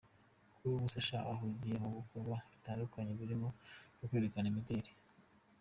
Kuri ubu Sacha ahugiye mu bikorwa bitandukanye birimo no kwerekana mideli.